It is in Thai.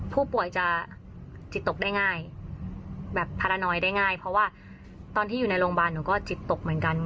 ผู้ป่วยจะจิตตกได้ง่ายแบบพารานอยได้ง่ายเพราะว่าตอนที่อยู่ในโรงพยาบาลหนูก็จิตตกเหมือนกัน